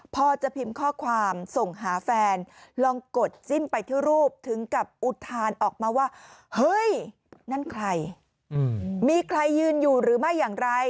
พอจะพิมพ์ข้อความส่งหาแฟนลองกดจิ้มไปที่รูปถึงกับอุทานออกมาว่าเฮ้ยนั่นใครมีใครยืนอยู่หรือไม่อย่างไร